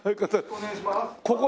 お願いします！